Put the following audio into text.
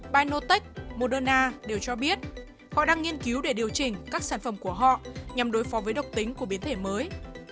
binotech moderna đều cho biết họ đang nghiên cứu để điều chỉnh các sản phẩm của họ nhằm đối phó với độc tính của biến thể mới